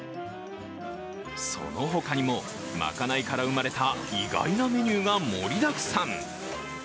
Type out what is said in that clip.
その他にも、まかないから生まれた意外なメニューが盛りだくさん。